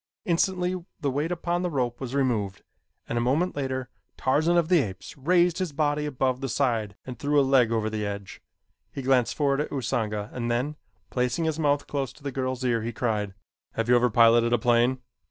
Instantly the weight upon the rope was removed and a moment later Tarzan of the Apes raised his body above the side and threw a leg over the edge. He glanced forward at Usanga and then, placing his mouth close to the girl's ear he cried: "Have you ever piloted a plane?"